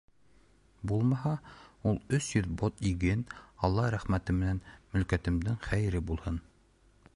Булмаһа, ул өс йөҙ бот иген, алла рәхмәте менән, мөлкәтемдең хәйере булһын.